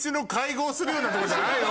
じゃないの？